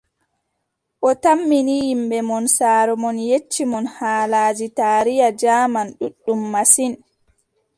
O tammi ni yimɓe mon, saaro mon yecci mon haalaaji taariya jaaman ɗuuɗɗum masin.